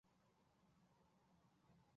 意念来自第一代模拟城市。